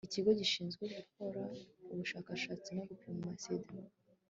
ikigo gishinzwe gukora ubushakashatsi no gupima sida